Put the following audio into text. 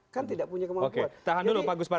kan tidak punya kemampuan